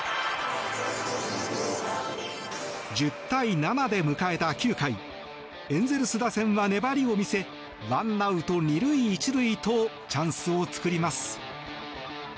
１０対７で迎えた９回エンゼルス打線は粘りを見せワンアウト２塁１塁とチャンスを作ります。